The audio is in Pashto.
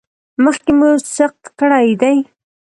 مخکې مو سقط کړی دی؟